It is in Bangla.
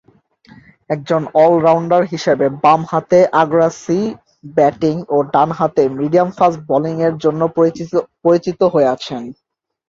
একজন অল-রাউন্ডার হিসেবে বামহাতে আগ্রাসী ব্যাটিং ও ডানহাতে মিডিয়াম ফাস্ট বোলিংয়ের জন্য পরিচিত হয়ে আছেন।